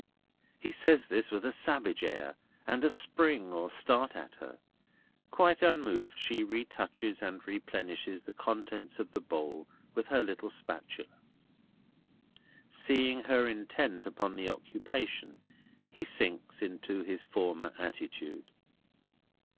He says this with a savage air, and a spring or start at her. Quite unmoved she retouches and replenishes the contents of the bowl with her little spatula. Seeing her intent upon the occupation, he sinks into his former attitude.